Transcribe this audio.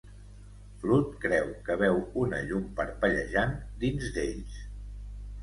Flood creu que veu una llum parpellejant dins d'ells.